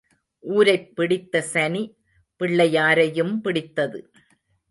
ஊரைப் பிடித்த சனி பிள்ளையாரையும் பிடித்தது.